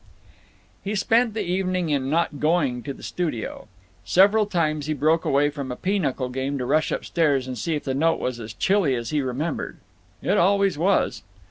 He spent the evening in not going to the studio. Several times he broke away from a pinochle game to rush upstairs and see if the note was as chilly as he remembered. It always was.